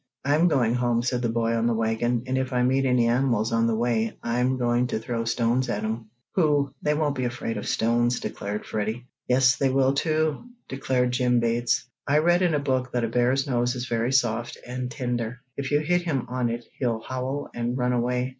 "I'm going home," said the boy on the wagon, "and if I meet any animals on the way; I'm going to throw stones at 'em." "Pooh! They won't be afraid of stones," declared Freddie. "Yes, they will, too!" declared Jim Bates. "I read in a book that a bear's nose is very soft and tender, and if you hit him on it he'll howl, and run away."